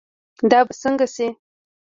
دا به سنګه شي